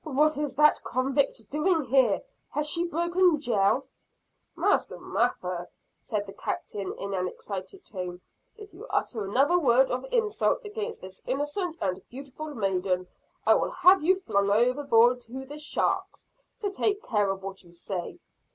"What is that convict doing here? Has she broken jail?" "Master Mather," said the Captain in an excited tone, "if you utter another word of insult against this innocent and beautiful maiden, I will have you flung overboard to the sharks! So take care of what you say!"